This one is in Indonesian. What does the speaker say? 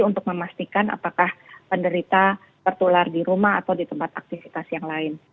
untuk memastikan apakah penderita tertular di rumah atau di tempat aktivitas yang lain